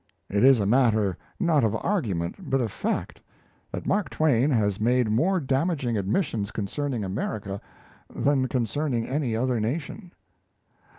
It is a matter not of argument, but of fact, that Mark Twain has made more damaging admissions concerning America than concerning any other nation.